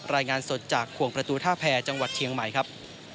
รายงานสดจากขวงประตูท่าแพรจังหวัดเชียงใหม่ครับ